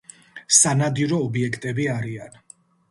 სანადირო ობიექტები არიან.